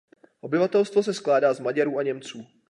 Obyvatelstvo se skládá z Maďarů a Němců.